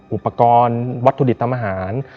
อุปกรณ์วัตถุดิบทำอาหาร